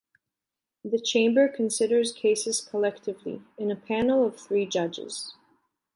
The Chamber considers cases collectively, in a panel of three judges.